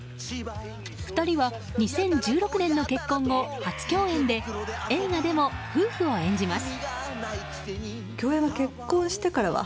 ２人は２０１６年の結婚後初共演で映画でも夫婦を演じます。